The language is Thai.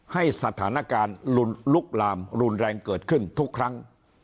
ให้สถานการณ์ลุกลามรุนแรงเกิดขึ้นทุกครั้ง